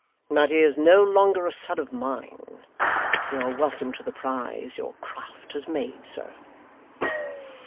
But he is no longer a son of mine: you are welcome to the prize your craft has made, sir.